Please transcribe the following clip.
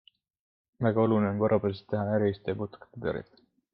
Väga oluline on korrapäraselt teha näriliste ja putukate tõrjet.